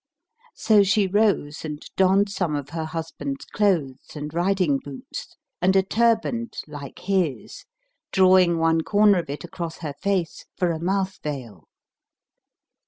So she rose and donned some of her husband's clothes and riding boots, and a turband like his, drawing one corner of it across her face for a mouth veil.